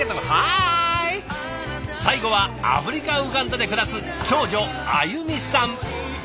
最後はアフリカ・ウガンダで暮らす長女あゆみさん。